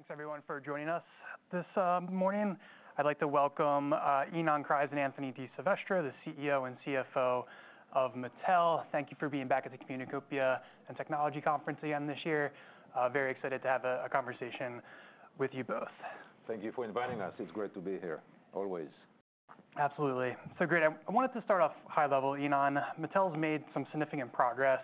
Thanks, everyone, for joining us this morning. I'd like to welcome Ynon Kreiz and Anthony DiSilvestro, the CEO and CFO of Mattel. Thank you for being back at the Communacopia and Technology Conference again this year. Very excited to have a conversation with you both. Thank you for inviting us. It's great to be here, always. Absolutely. So great. I wanted to start off high level, Ynon. Mattel's made some significant progress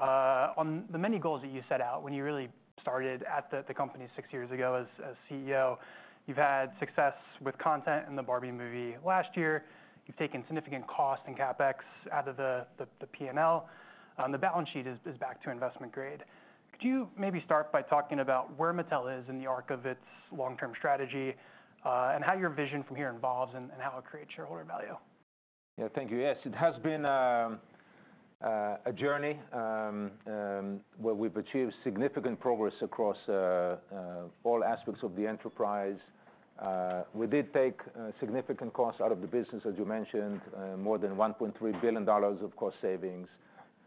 on the many goals that you set out when you really started at the company six years ago as CEO. You've had success with content in the Barbie movie last year. You've taken significant cost and CapEx out of the P&L, and the balance sheet is back to investment grade. Could you maybe start by talking about where Mattel is in the arc of its long-term strategy, and how your vision from here involves, and how it creates shareholder value? Yeah, thank you. Yes, it has been a journey where we've achieved significant progress across all aspects of the enterprise. We did take significant costs out of the business, as you mentioned, more than $1.3 billion of cost savings.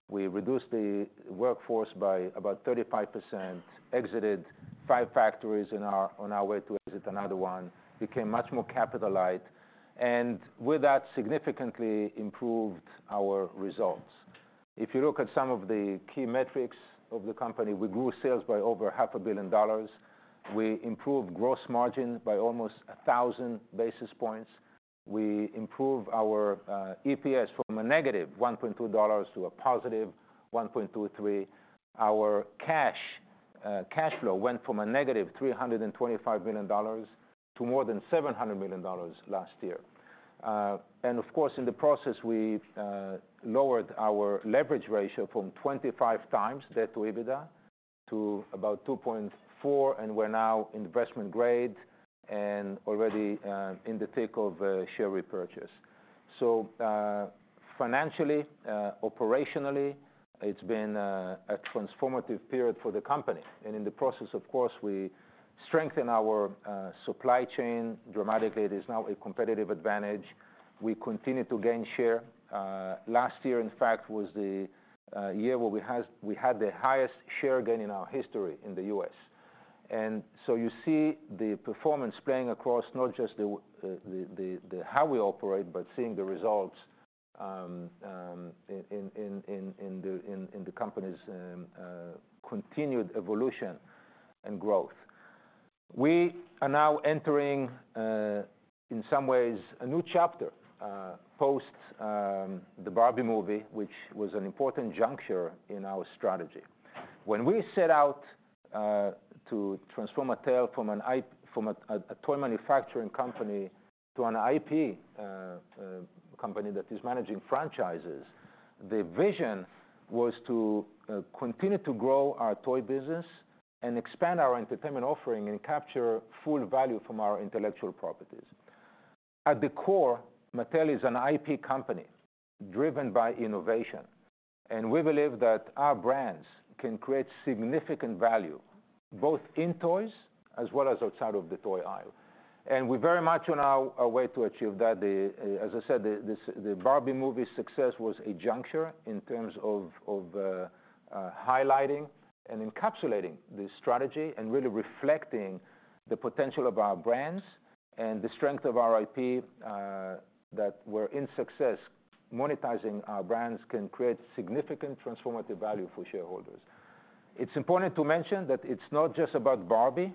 We reduced the workforce by about 35%, exited five factories on our way to exit another one, became much more capital light, and with that, significantly improved our results. If you look at some of the key metrics of the company, we grew sales by over $500 million. We improved gross margin by almost a thousand basis points. We improved our EPS from a negative $1.2 to a positive $1.23. Our cash flow went from -$325 million to more than $700 million last year. And of course, in the process, we've lowered our leverage ratio from 25 times debt to EBITDA to about 2.4, and we're now investment grade and already in the thick of a share repurchase. So, financially, operationally, it's been a transformative period for the company, and in the process, of course, we strengthened our supply chain dramatically. It is now a competitive advantage. We continue to gain share. Last year, in fact, was the year where we had the highest share gain in our history in the U.S. And so you see the performance playing across not just the way we operate, but seeing the results in the company's continued evolution and growth. We are now entering, in some ways, a new chapter post the Barbie movie, which was an important juncture in our strategy. When we set out to transform Mattel from a toy manufacturing company to an IP company that is managing franchises, the vision was to continue to grow our toy business and expand our entertainment offering and capture full value from our intellectual properties. At the core, Mattel is an IP company driven by innovation, and we believe that our brands can create significant value, both in toys as well as outside of the toy aisle. And we're very much on our way to achieve that. As I said, the Barbie movie success was a juncture in terms of highlighting and encapsulating the strategy and really reflecting the potential of our brands and the strength of our IP that we're in success. Monetizing our brands can create significant transformative value for shareholders. It's important to mention that it's not just about Barbie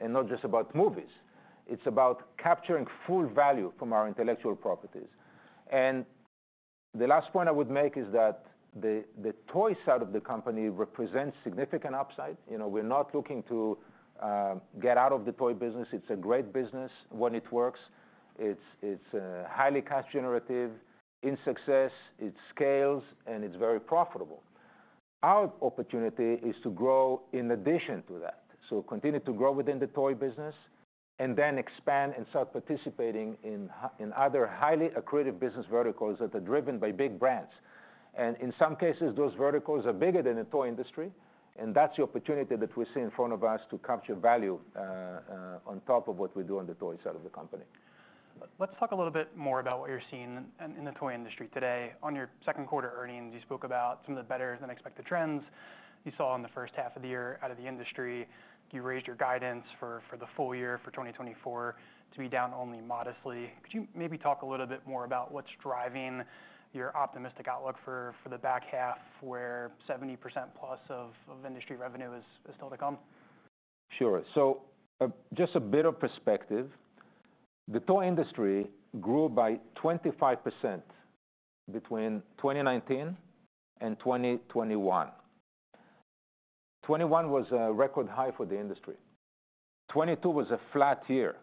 and not just about movies. It's about capturing full value from our intellectual properties. And the last point I would make is that the toy side of the company represents significant upside. You know, we're not looking to get out of the toy business. It's a great business when it works. It's highly cash generative. In success, it scales, and it's very profitable. Our opportunity is to grow in addition to that, so continue to grow within the toy business and then expand and start participating in other highly accretive business verticals that are driven by big brands. In some cases, those verticals are bigger than the toy industry, and that's the opportunity that we see in front of us to capture value on top of what we do on the toy side of the company. Let's talk a little bit more about what you're seeing in the toy industry today. On your Q2 earnings, you spoke about some of the better-than-expected trends you saw in the first half of the year out of the industry. You raised your guidance for the full year for 2024 to be down only modestly. Could you maybe talk a little bit more about what's driving your optimistic outlook for the back half, where 70% plus of industry revenue is still to come? Sure. So, just a bit of perspective. The toy industry grew by 25% between 2019 and 2021. 2021 was a record high for the industry. 2022 was a flat year,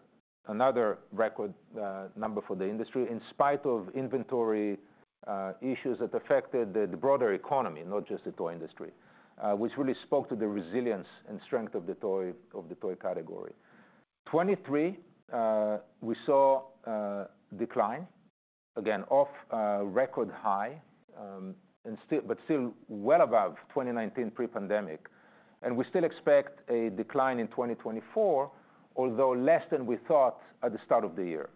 another record number for the industry, in spite of inventory issues that affected the broader economy, not just the toy industry, which really spoke to the resilience and strength of the toy category. 2023, we saw a decline, again, off a record high, but still well above 2019 pre-pandemic, and we still expect a decline in 2024, although less than we thought at the start of the year.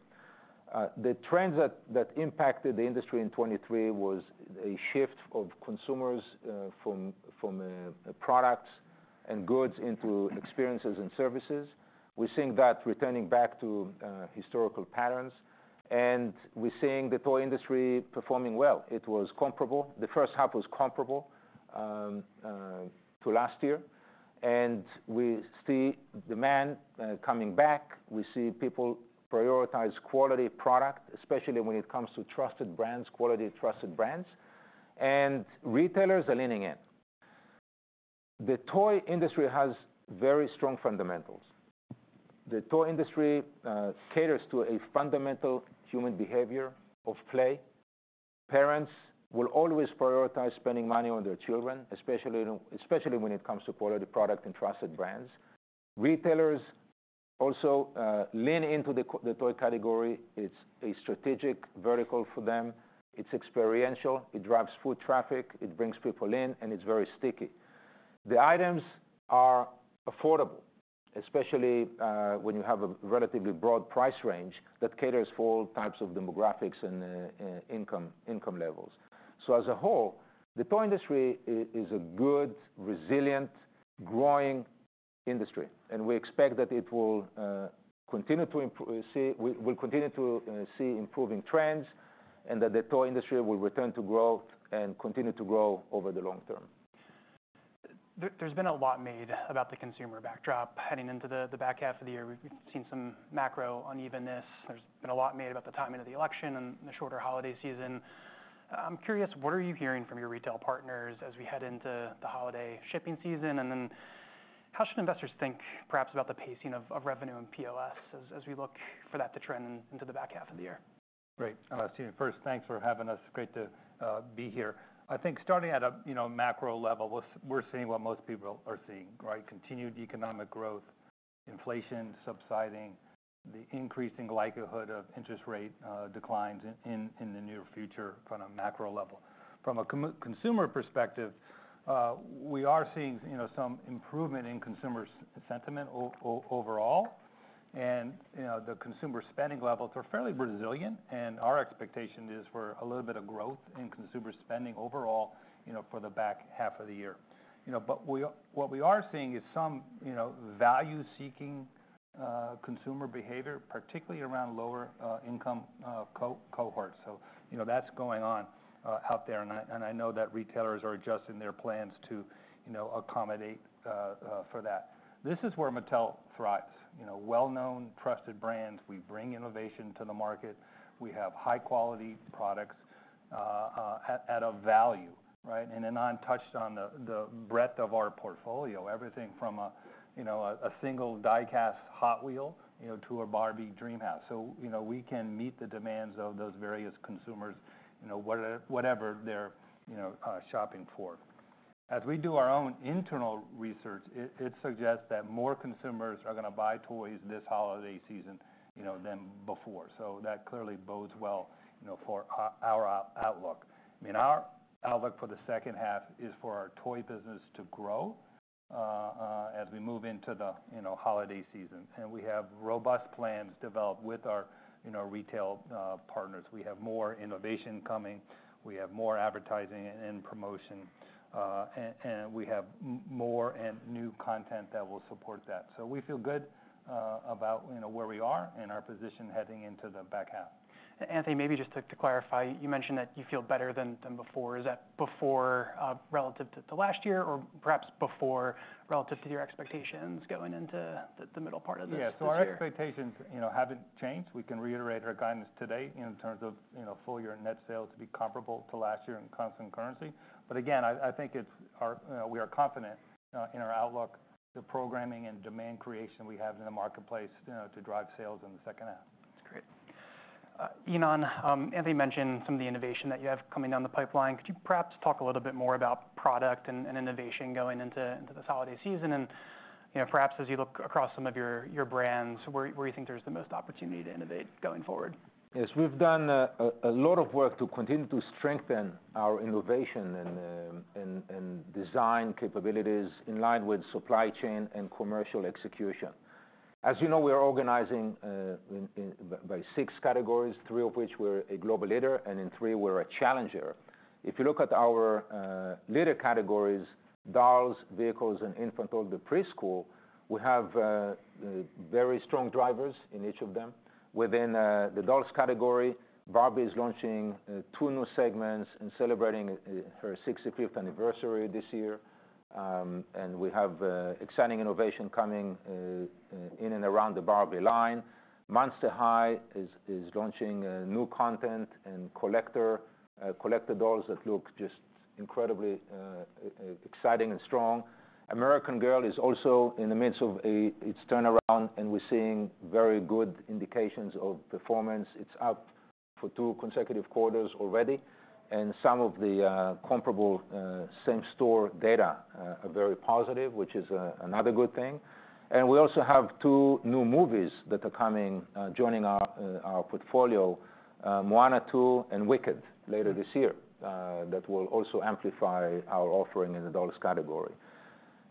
The trends that impacted the industry in 2023 was a shift of consumers from products and goods into experiences and services. We're seeing that returning back to historical patterns, and we're seeing the toy industry performing well. It was comparable. The first half was comparable to last year, and we see demand coming back. We see people prioritize quality product, especially when it comes to trusted brands, quality trusted brands, and retailers are leaning in. The toy industry has very strong fundamentals. The toy industry caters to a fundamental human behavior of play. Parents will always prioritize spending money on their children, especially when, especially when it comes to quality product and trusted brands. Retailers also lean into the toy category. It's a strategic vertical for them. It's experiential. It drives foot traffic, it brings people in, and it's very sticky. The items are affordable, especially when you have a relatively broad price range that caters for all types of demographics and income levels. So as a whole, the toy industry is a good, resilient, growing industry, and we expect that it will continue to improve. We'll continue to see improving trends and that the toy industry will return to growth and continue to grow over the long term. There's been a lot made about the consumer backdrop. Heading into the back half of the year, we've seen some macro unevenness. There's been a lot made about the timing of the election and the shorter holiday season. I'm curious, what are you hearing from your retail partners as we head into the holiday shopping season? And then, how should investors think perhaps about the pacing of revenue and POS as we look for that to trend into the back half of the year? Great. First, thanks for having us. Great to be here. I think starting at a, you know, macro level, we're seeing what most people are seeing, right? Continued economic growth, inflation subsiding, the increasing likelihood of interest rate declines in the near future from a macro level. From a consumer perspective, we are seeing, you know, some improvement in consumer sentiment overall. And, you know, the consumer spending levels are fairly resilient, and our expectation is for a little bit of growth in consumer spending overall, you know, for the back half of the year. You know, but what we are seeing is some, you know, value-seeking consumer behavior, particularly around lower income cohorts. So, you know, that's going on out there, and I know that retailers are adjusting their plans to, you know, accommodate for that. This is where Mattel thrives, you know, well-known, trusted brands. We bring innovation to the market. We have high-quality products at a value, right? And then, Ynon touched on the breadth of our portfolio. Everything from a, you know, single die-cast Hot Wheel, you know, to a Barbie Dreamhouse. So, you know, we can meet the demands of those various consumers, you know, whatever they're, you know, shopping for. As we do our own internal research, it suggests that more consumers are gonna buy toys this holiday season, you know, than before. That clearly bodes well, you know, for our outlook. I mean, our outlook for the second half is for our toy business to grow as we move into the, you know, holiday season, and we have robust plans developed with our, you know, retail partners. We have more innovation coming, we have more advertising and promotion, and we have more and new content that will support that. So we feel good about, you know, where we are and our position heading into the back half. Anthony, maybe just to clarify, you mentioned that you feel better than before. Is that before, relative to last year, or perhaps before relative to your expectations going into the middle part of this- Yeah... year? So our expectations, you know, haven't changed. We can reiterate our guidance today in terms of, you know, full year net sales to be comparable to last year in constant currency. But again, I think it's our... You know, we are confident in our outlook, the programming and demand creation we have in the marketplace, you know, to drive sales in the second half. That's great. Ynon, Anthony mentioned some of the innovation that you have coming down the pipeline. Could you perhaps talk a little bit more about product and innovation going into this holiday season? You know, perhaps as you look across some of your brands, where do you think there's the most opportunity to innovate going forward? Yes, we've done a lot of work to continue to strengthen our innovation and design capabilities in line with supply chain and commercial execution. As you know, we are organizing by six categories, three of which we're a global leader, and in three, we're a challenger. If you look at our leader categories, dolls, vehicles, and infants and preschool, we have very strong drivers in each of them. Within the dolls category, Barbie is launching two new segments and celebrating her sixty-fifth anniversary this year. And we have exciting innovation coming in and around the Barbie line. Monster High is launching a new content and collector dolls that look just incredibly exciting and strong. American Girl is also in the midst of its turnaround, and we're seeing very good indications of performance. It's up for two consecutive quarters already, and some of the comparable same store data are very positive, which is another good thing and we also have two new movies that are coming, joining our portfolio, Moana 2 and Wicked, later this year, that will also amplify our offering in the dolls category.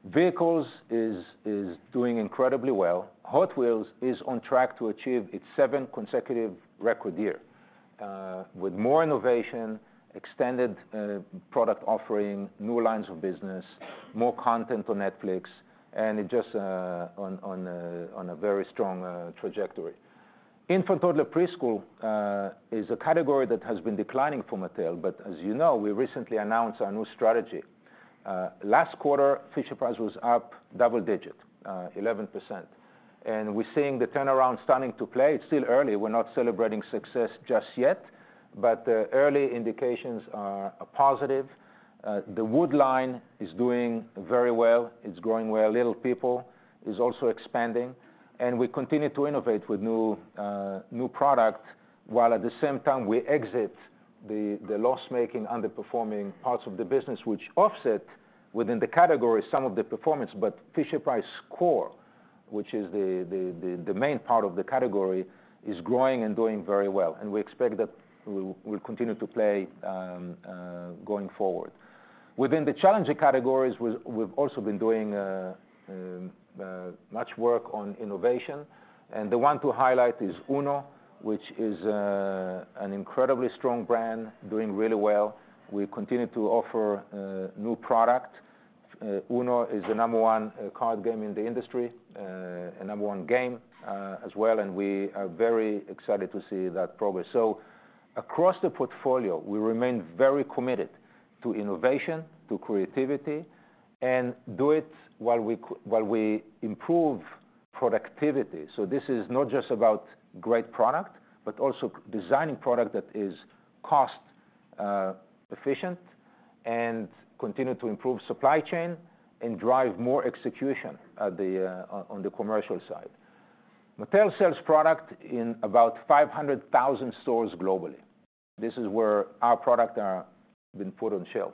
Vehicles is doing incredibly well. Hot Wheels is on track to achieve its seventh consecutive record year, with more innovation, extended product offering, new lines of business, more content on Netflix, and it just on a very strong trajectory. Infant toddler preschool is a category that has been declining for Mattel, but as you know, we recently announced our new strategy. Last quarter, Fisher-Price was up double digit 11%, and we're seeing the turnaround starting to play. It's still early, we're not celebrating success just yet, but the early indications are positive. The wood line is doing very well, it's growing well. Little People is also expanding, and we continue to innovate with new product, while at the same time, we exit the loss-making, underperforming parts of the business, which offset within the category some of the performance. But Fisher-Price core, which is the main part of the category, is growing and doing very well, and we expect that we'll continue to play going forward. Within the challenging categories, we've also been doing much work on innovation, and the one to highlight is UNO, which is an incredibly strong brand, doing really well. We continue to offer new product. UNO is the number one card game in the industry, and number one game as well, and we are very excited to see that progress. Across the portfolio, we remain very committed to innovation, to creativity, and do it while we improve productivity. This is not just about great product, but also designing product that is cost efficient and continue to improve supply chain and drive more execution at the commercial side. Mattel sells product in about 500,000 stores globally. This is where our product are being put on shelf,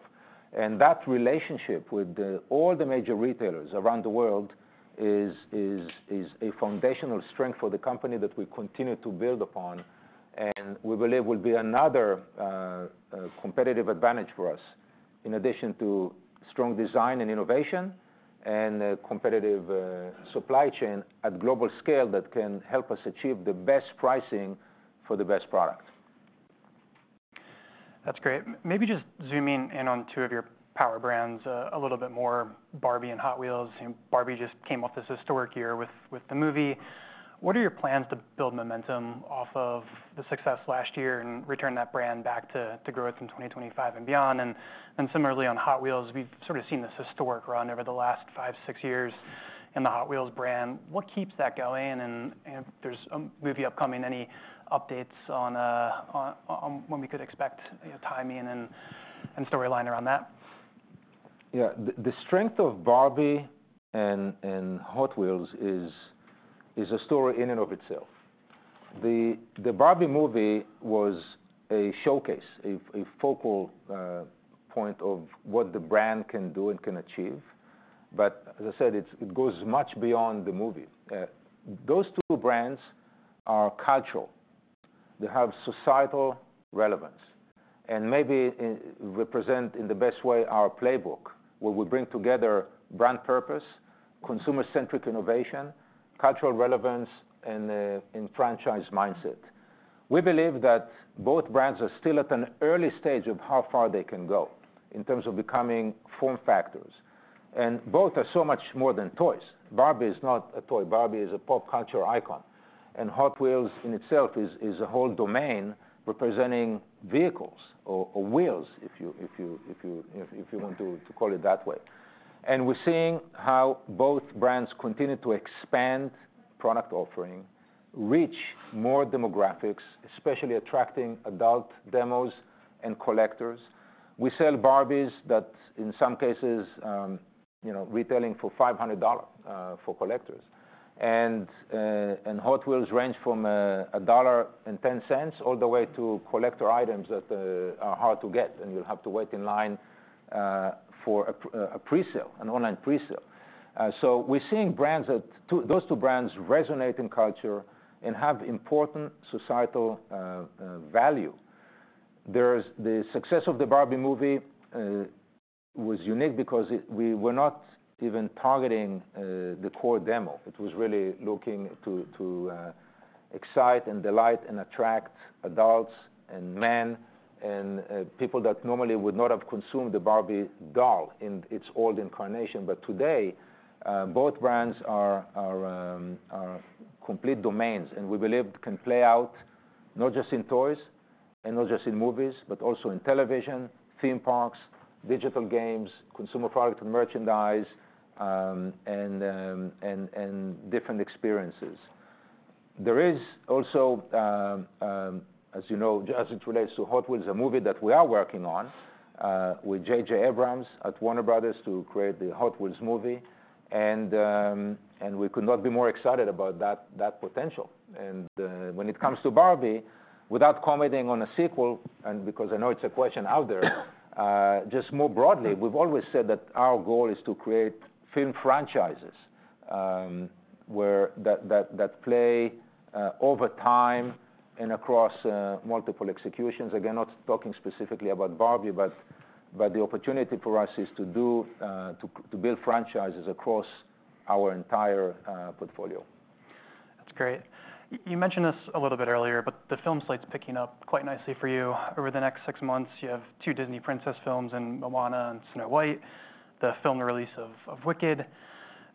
and that relationship with all the major retailers around the world is a foundational strength for the company that we continue to build upon, and we believe will be another competitive advantage for us, in addition to strong design and innovation and a competitive supply chain at global scale that can help us achieve the best pricing for the best product. That's great. Maybe just zooming in on two of your power brands, a little bit more, Barbie and Hot Wheels. Barbie just came off this historic year with the movie. What are your plans to build momentum off of the success last year and return that brand back to growth in 2025 and beyond? And similarly on Hot Wheels, we've sort of seen this historic run over the last five, six years in the Hot Wheels brand. What keeps that going? And there's a movie upcoming, any updates on when we could expect, you know, timing and storyline around that? Yeah. The strength of Barbie and Hot Wheels is a story in and of itself. The Barbie movie was a showcase, a focal point of what the brand can do and can achieve. But as I said, it goes much beyond the movie. Those two brands are cultural. They have societal relevance and maybe represent, in the best way, our playbook, where we bring together brand purpose, consumer-centric innovation, cultural relevance, and franchise mindset. We believe that both brands are still at an early stage of how far they can go in terms of becoming form factors, and both are so much more than toys. Barbie is not a toy. Barbie is a pop culture icon, and Hot Wheels, in itself, is a whole domain representing vehicles or wheels, if you want to call it that way. And we're seeing how both brands continue to expand product offering, reach more demographics, especially attracting adult demos and collectors. We sell Barbies that in some cases, you know, retailing for $500, for collectors. And Hot Wheels range from $1.10 all the way to collector items that are hard to get, and you'll have to wait in line for a presale, an online presale. So we're seeing brands that those two brands resonate in culture and have important societal value. There's the success of the Barbie movie was unique because we were not even targeting the core demo. It was really looking to excite and delight and attract adults and men and people that normally would not have consumed the Barbie doll in its old incarnation. But today, both brands are complete domains, and we believe can play out not just in toys and not just in movies, but also in television, theme parks, digital games, consumer product and merchandise and different experiences. There is also, as you know, as it relates to Hot Wheels, a movie that we are working on with J.J. Abrams at Warner Bros. to create the Hot Wheels movie, and we could not be more excited about that potential. When it comes to Barbie, without commenting on a sequel, and because I know it's a question out there, just more broadly, we've always said that our goal is to create film franchises, where that play over time and across multiple executions. Again, not talking specifically about Barbie, but the opportunity for us is to build franchises across our entire portfolio. That's great. You mentioned this a little bit earlier, but the film slate's picking up quite nicely for you. Over the next six months, you have two Disney Princess films, and Moana and Snow White, the film release of Wicked.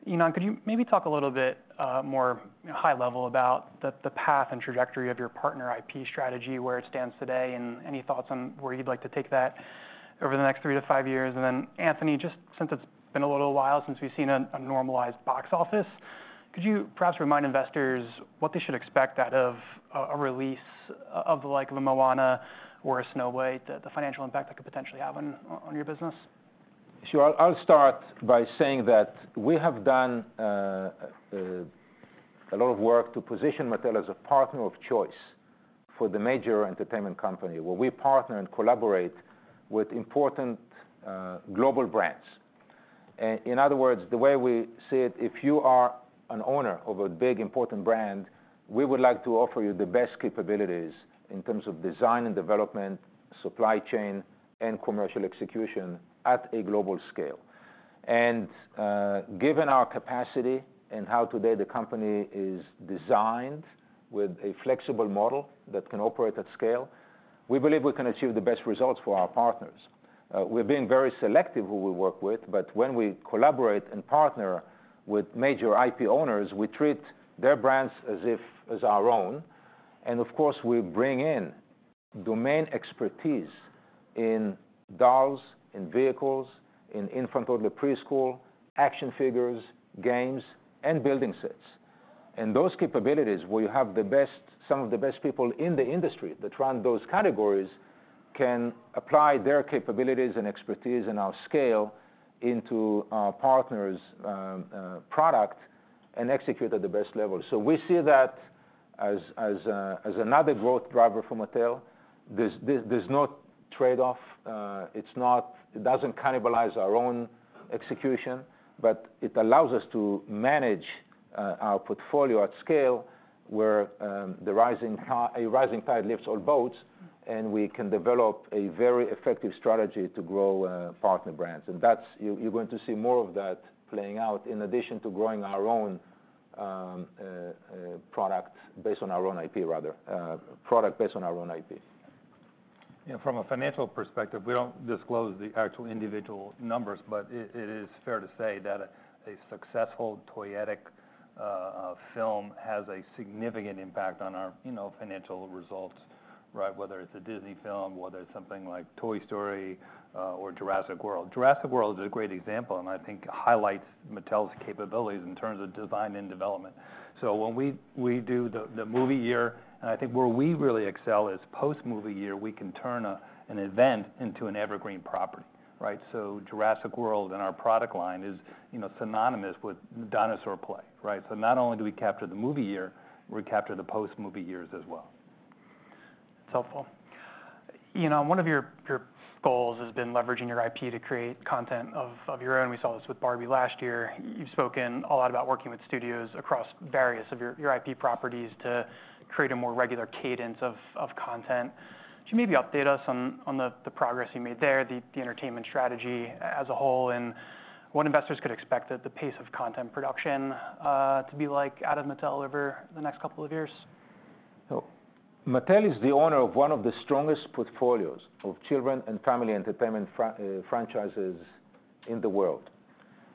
Ynon, could you maybe talk a little bit more high level about the path and trajectory of your partner IP strategy, where it stands today, and any thoughts on where you'd like to take that over the next three to five years? And then, Anthony, just since it's been a little while since we've seen a normalized box office, could you perhaps remind investors what they should expect out of a release of the like of a Moana or a Snow White, the financial impact that could potentially have on your business? Sure. I'll start by saying that we have done a lot of work to position Mattel as a partner of choice for the major entertainment company, where we partner and collaborate with important global brands. In other words, the way we see it, if you are an owner of a big, important brand, we would like to offer you the best capabilities in terms of design and development, supply chain, and commercial execution at a global scale. And given our capacity and how today the company is designed with a flexible model that can operate at scale, we believe we can achieve the best results for our partners. We've been very selective who we work with, but when we collaborate and partner with major IP owners, we treat their brands as if as our own. And of course, we bring in domain expertise in dolls, in vehicles, in infants, toddlers, and preschool, action figures, games, and building sets. And those capabilities, we have some of the best people in the industry that run those categories, can apply their capabilities and expertise and our scale into our partners' product, and execute at the best level. So we see that as another growth driver for Mattel. There's no trade-off. It's not. It doesn't cannibalize our own execution, but it allows us to manage our portfolio at scale, where a rising tide lifts all boats, and we can develop a very effective strategy to grow partner brands. And that's. You're going to see more of that playing out, in addition to growing our own product based on our own IP. Yeah, from a financial perspective, we don't disclose the actual individual numbers, but it is fair to say that a successful toyetic film has a significant impact on our, you know, financial results, right? Whether it's a Disney film, whether it's something like Toy Story, or Jurassic World. Jurassic World is a great example, and I think highlights Mattel's capabilities in terms of design and development. So when we do the movie year, and I think where we really excel is post-movie year, we can turn an event into an evergreen property, right? So Jurassic World and our product line is, you know, synonymous with dinosaur play, right? So not only do we capture the movie year, we capture the post-movie years as well. It's helpful. Ynon, one of your goals has been leveraging your IP to create content of your own. We saw this with Barbie last year. You've spoken a lot about working with studios across various of your IP properties to create a more regular cadence of content. Could you maybe update us on the progress you made there, the entertainment strategy as a whole, and what investors could expect at the pace of content production to be like out of Mattel over the next couple of years? Mattel is the owner of one of the strongest portfolios of children and family entertainment franchises in the world.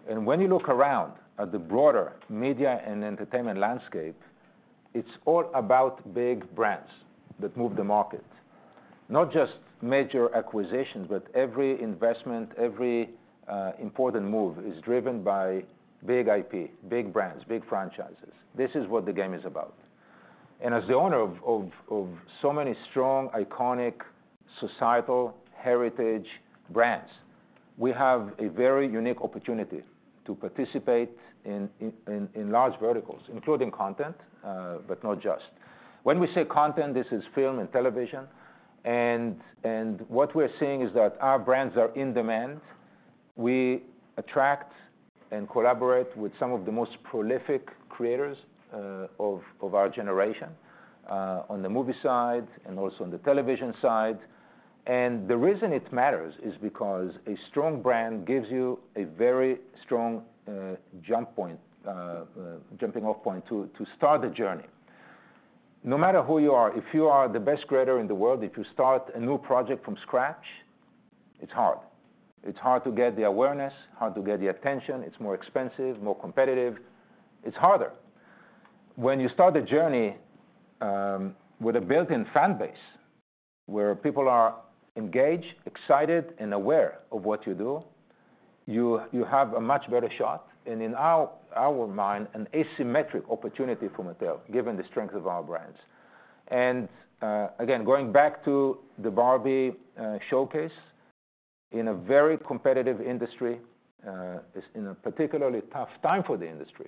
And when you look around at the broader media and entertainment landscape, it's all about big brands that move the market. Not just major acquisitions, but every investment, every important move is driven by big IP, big brands, big franchises. This is what the game is about. And as the owner of so many strong, iconic, societal, heritage brands, we have a very unique opportunity to participate in large verticals, including content, but not just. When we say content, this is film and television. And what we're seeing is that our brands are in demand. We attract and collaborate with some of the most prolific creators of our generation on the movie side and also on the television side, and the reason it matters is because a strong brand gives you a very strong jump point, jumping off point to start the journey. No matter who you are, if you are the best creator in the world, if you start a new project from scratch, it's hard. It's hard to get the awareness, hard to get the attention. It's more expensive, more competitive. It's harder. When you start a journey with a built-in fan base, where people are engaged, excited, and aware of what you do, you have a much better shot, and in our mind, an asymmetric opportunity for Mattel, given the strength of our brands. And again, going back to the Barbie showcase, in a very competitive industry, is in a particularly tough time for the industry.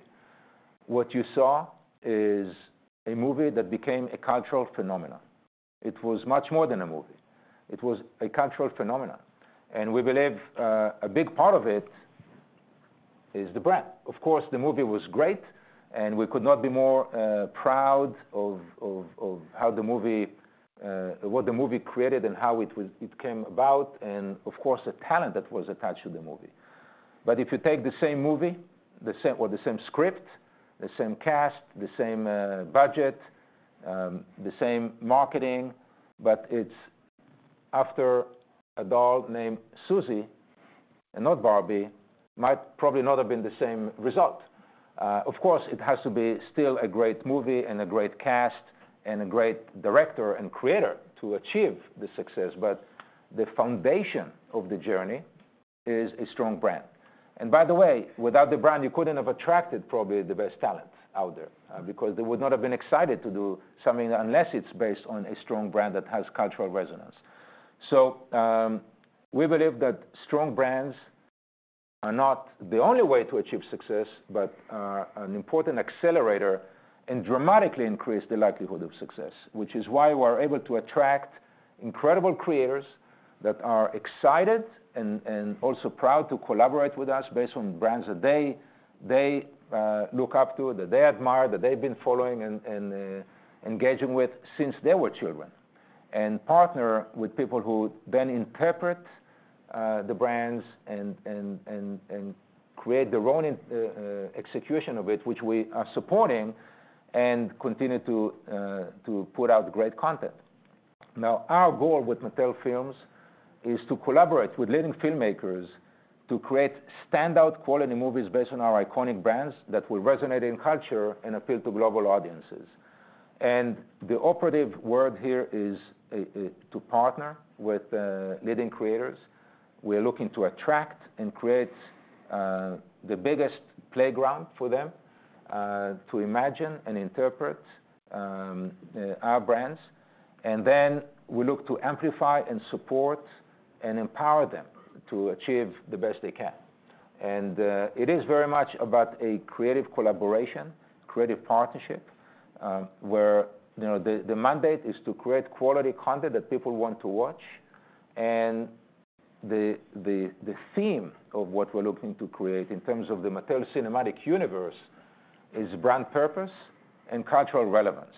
What you saw is a movie that became a cultural phenomenon. It was much more than a movie, it was a cultural phenomenon. And we believe, a big part of it is the brand. Of course, the movie was great, and we could not be more proud of how the movie, what the movie created and how it was, it came about, and of course, the talent that was attached to the movie. But if you take the same movie, the same, or the same script, the same cast, the same, budget, the same marketing, but it's after a doll named Susie and not Barbie, might probably not have been the same result. Of course, it has to be still a great movie and a great cast and a great director and creator to achieve the success, but the foundation of the journey is a strong brand. And by the way, without the brand, you couldn't have attracted probably the best talent out there, because they would not have been excited to do something, unless it's based on a strong brand that has cultural resonance. So, we believe that strong brands are not the only way to achieve success, but an important accelerator and dramatically increase the likelihood of success, which is why we're able to attract incredible creators that are excited and also proud to collaborate with us based on brands that they look up to, that they admire, that they've been following and engaging with since they were children. And partner with people who then interpret the brands and create their own execution of it, which we are supporting, and continue to put out great content. Now, our goal with Mattel Films is to collaborate with leading filmmakers to create standout quality movies based on our iconic brands that will resonate in culture and appeal to global audiences. And the operative word here is to partner with leading creators. We are looking to attract and create the biggest playground for them to imagine and interpret our brands. And then we look to amplify and support and empower them to achieve the best they can. And it is very much about a creative collaboration, creative partnership, where you know the mandate is to create quality content that people want to watch. And the theme of what we're looking to create in terms of the Mattel Cinematic Universe is brand purpose and cultural relevance.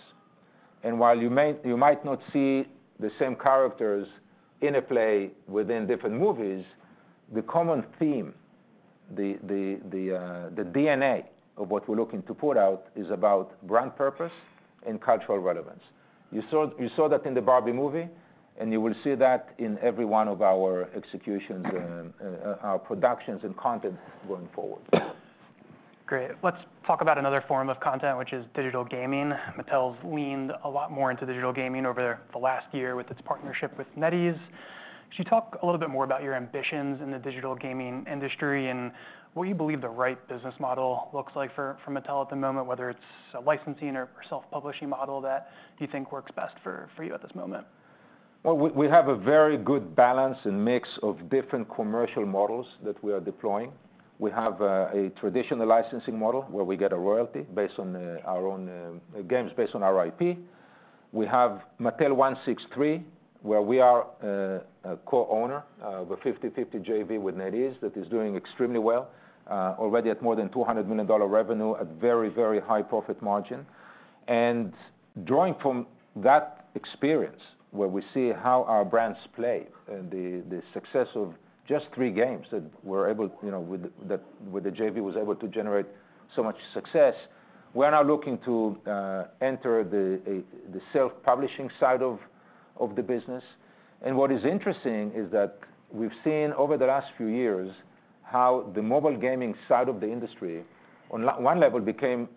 And while you might not see the same characters interplay within different movies, the common theme, the DNA of what we're looking to put out is about brand purpose and cultural relevance. You saw that in the Barbie movie, and you will see that in every one of our executions and our productions and content going forward. Great. Let's talk about another form of content, which is digital gaming. Mattel's leaned a lot more into digital gaming over the last year with its partnership with NetEase. Could you talk a little bit more about your ambitions in the digital gaming industry and what you believe the right business model looks like for Mattel at the moment, whether it's a licensing or self-publishing model that you think works best for you at this moment? We have a very good balance and mix of different commercial models that we are deploying. We have a traditional licensing model, where we get a royalty based on our own games based on our IP. We have Mattel163, where we are a co-owner of a 50-50 JV with NetEase, that is doing extremely well, already at more than $200 million revenue at very, very high profit margin. Drawing from that experience, where we see how our brands play and the success of just three games that we're able, you know, with the JV was able to generate so much success, we're now looking to enter the self-publishing side of the business. And what is interesting is that we've seen over the last few years how the mobile gaming side of the industry, on one level, became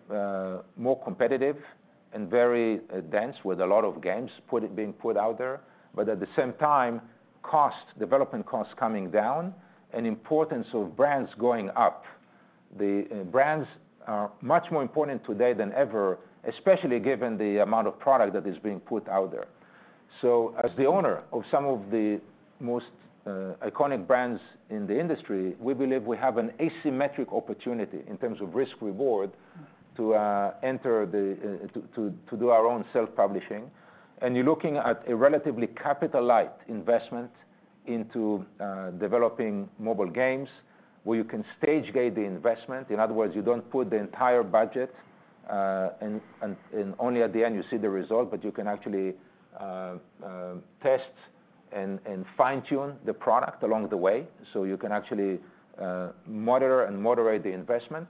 more competitive and very dense, with a lot of games being put out there. But at the same time, costs, development costs coming down and importance of brands going up. The brands are much more important today than ever, especially given the amount of product that is being put out there. So as the owner of some of the most iconic brands in the industry, we believe we have an asymmetric opportunity in terms of risk reward, to enter the, to do our own self-publishing. And you're looking at a relatively capital light investment into developing mobile games, where you can stage-gate the investment. In other words, you don't put the entire budget, and only at the end you see the result, but you can actually test and fine-tune the product along the way. So you can actually monitor and moderate the investment.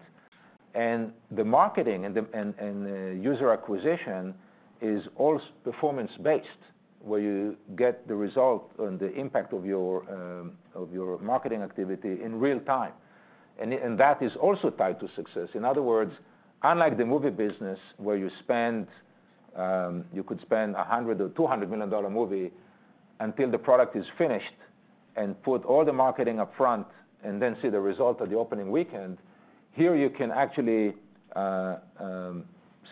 And the marketing and the user acquisition is all performance based, where you get the result and the impact of your of your marketing activity in real time. And that is also tied to success. In other words, unlike the movie business, where you could spend a $100- or $200-million-dollar movie until the product is finished and put all the marketing upfront and then see the result of the opening weekend, here you can actually.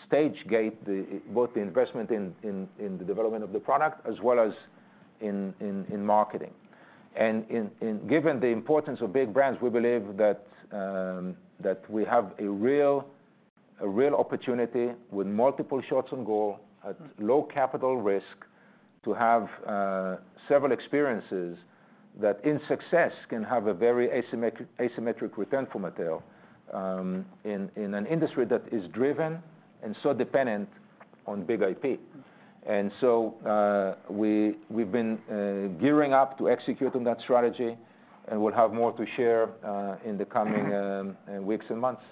Stage-gate, both the investment in the development of the product, as well as in marketing. And, given the importance of big brands, we believe that we have a real opportunity with multiple shots on goal, at low capital risk, to have several experiences that in success can have a very asymmetric return for Mattel, in an industry that is driven and so dependent on big IP. And so, we've been gearing up to execute on that strategy, and we'll have more to share in the coming weeks and months.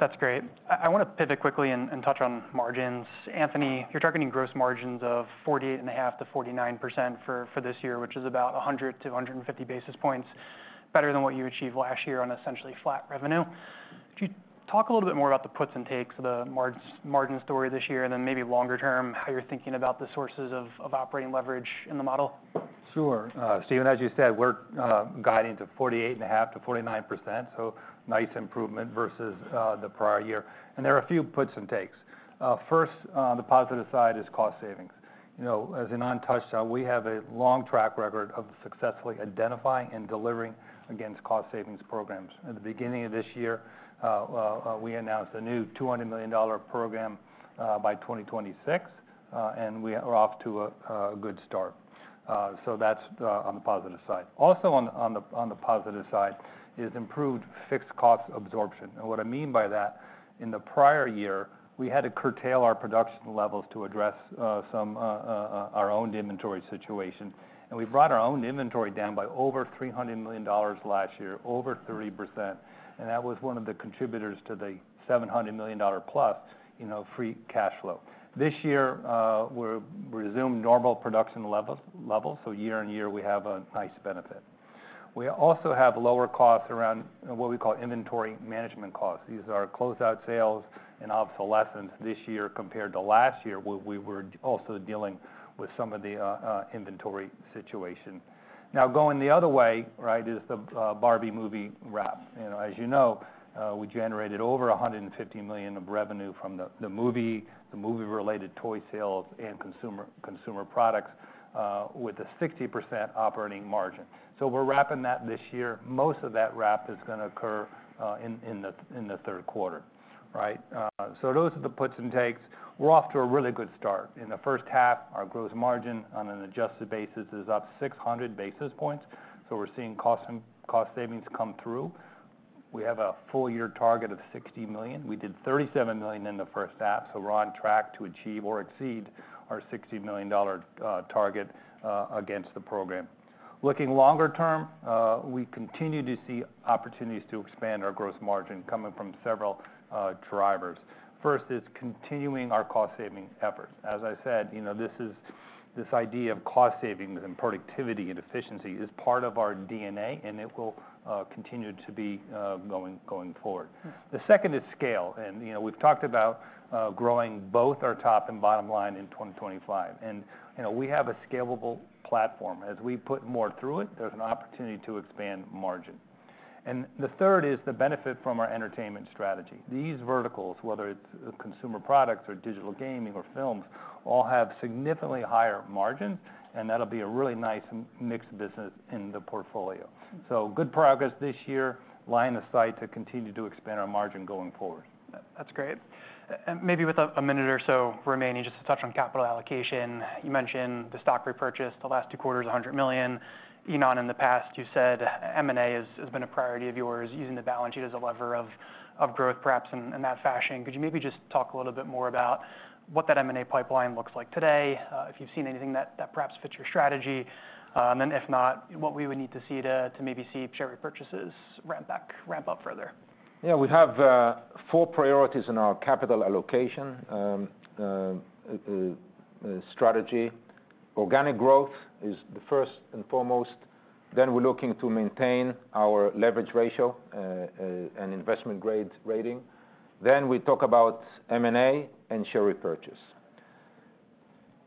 That's great. I wanna pivot quickly and touch on margins. Anthony, you're targeting gross margins of 48.5%-49% for this year, which is about 100-150 basis points better than what you achieved last year on essentially flat revenue. Could you talk a little bit more about the puts and takes of the margin story this year, and then maybe longer term, how you're thinking about the sources of operating leverage in the model? Sure. Steven, as you said, we're guiding to 48.5%-49%, so nice improvement versus the prior year. And there are a few puts and takes. First, the positive side is cost savings. You know, as Ynon touched on, we have a long track record of successfully identifying and delivering against cost savings programs. At the beginning of this year, we announced a new $200 million program by 2026, and we are off to a good start. So that's on the positive side. Also, on the positive side, is improved fixed cost absorption. And what I mean by that, in the prior year, we had to curtail our production levels to address some of our own inventory situation. We brought our own inventory down by over $300 million last year, over 30%, and that was one of the contributors to the $700 million plus, you know, free cash flow. This year, we're resumed normal production level, so year on year, we have a nice benefit. We also have lower costs around what we call inventory management costs. These are closeout sales and obsolescence this year compared to last year, where we were also dealing with some of the inventory situation. Now, going the other way, right, is the Barbie movie wrap. You know, as you know, we generated over $150 million of revenue from the movie-related toy sales and consumer products with a 60% operating margin. So we're wrapping that this year. Most of that wrap is gonna occur in the Q3, right, so those are the puts and takes. We're off to a really good start. In the first half, our gross margin on an adjusted basis is up 600 basis points, so we're seeing cost and cost savings come through. We have a full year target of $60 million. We did $37 million in the first half, so we're on track to achieve or exceed our $60 million dollar target against the program. Looking longer term, we continue to see opportunities to expand our gross margin coming from several drivers. First is continuing our cost saving efforts. As I said, you know, this is this idea of cost savings and productivity and efficiency is part of our DNA, and it will continue to be going forward. The second is scale, and, you know, we've talked about growing both our top and bottom line in 2025. And, you know, we have a scalable platform. As we put more through it, there's an opportunity to expand margin. And the third is the benefit from our entertainment strategy. These verticals, whether it's consumer products or digital gaming or films, all have significantly higher margin, and that'll be a really nice mixed business in the portfolio. So good progress this year, line of sight to continue to expand our margin going forward. That's great. Maybe with a minute or so remaining, just to touch on capital allocation. You mentioned the stock repurchase, the last two quarters, $100 million. Ynon, in the past, you said M&A has been a priority of yours, using the balance sheet as a lever of growth, perhaps in that fashion. Could you maybe just talk a little bit more about what that M&A pipeline looks like today? If you've seen anything that perhaps fits your strategy, and if not, what we would need to see to maybe see share repurchases ramp up further? Yeah, we have four priorities in our capital allocation strategy. Organic growth is the first and foremost, then we're looking to maintain our leverage ratio and investment grade rating, then we talk about M&A and share repurchase.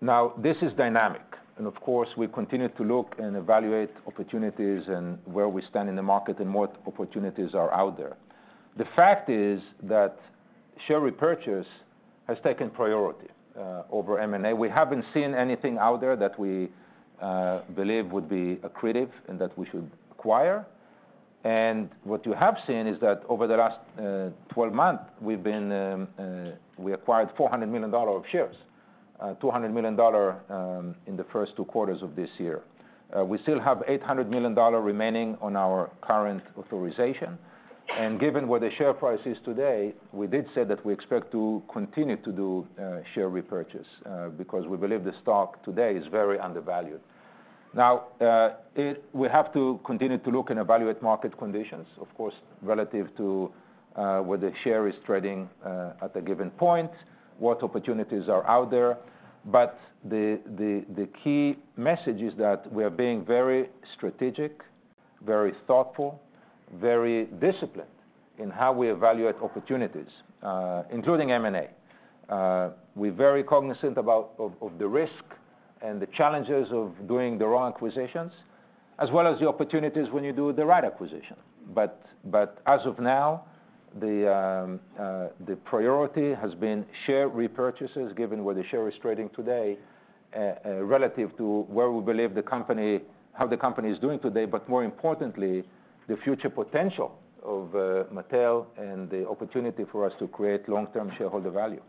Now, this is dynamic, and of course, we continue to look and evaluate opportunities and where we stand in the market and what opportunities are out there. The fact is that share repurchase has taken priority over M&A. We haven't seen anything out there that we believe would be accretive and that we should acquire, and what you have seen is that over the last 12 months, we acquired $400 million of shares, $200 million in the first two quarters of this year. We still have $800 million remaining on our current authorization, and given where the share price is today, we did say that we expect to continue to do share repurchase because we believe the stock today is very undervalued. Now, we have to continue to look and evaluate market conditions, of course, relative to where the share is trading at a given point, what opportunities are out there. But the key message is that we are being very strategic, very thoughtful, very disciplined in how we evaluate opportunities, including M&A. We're very cognizant of the risk and the challenges of doing the wrong acquisitions, as well as the opportunities when you do the right acquisition. But as of now, the priority has been share repurchases, given where the share is trading today, relative to where we believe how the company is doing today, but more importantly, the future potential of Mattel and the opportunity for us to create long-term shareholder value.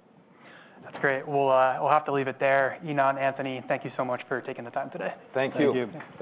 That's great. We'll, we'll have to leave it there. Ynon, Anthony, thank you so much for taking the time today. Thank you. Thank you.